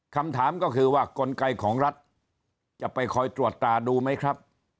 คำถามก็คือว่ากลไกของรัฐจะไปคอยตรวจตาดูไหมครับ